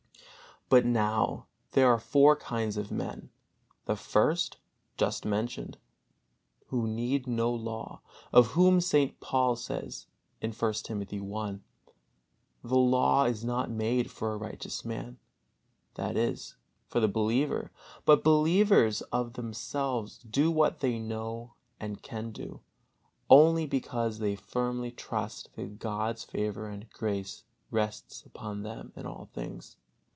But now there are four kinds of men: the first, just mentioned, who need no law, of whom St. Paul says, I. Timothy i, "The law is not made for a righteous man," that is, for the believer, but believers of themselves do what they know and can do, only because they firmly trust that God's favor and grace rests upon them in all things.